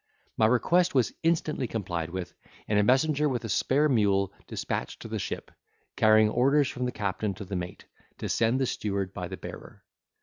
My request was instantly complied with, and a messenger with a spare mule despatched to the ship, carrying orders from the captain to the mate, to send the steward by the bearer.